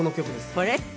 これ？